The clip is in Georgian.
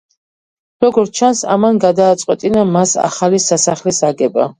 როგორც ჩანს, ამან გადააწყვეტინა მას ახალი სასახლის აგება.